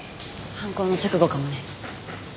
犯行の直後かもね。